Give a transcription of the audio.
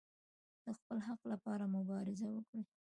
د خپل حق لپاره مبارزه وکړئ